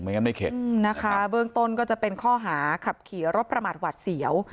งั้นไม่เข็ดนะคะเบื้องต้นก็จะเป็นข้อหาขับขี่รถประมาทหวัดเสียว